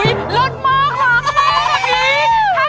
อุ๊ยรสมากว่า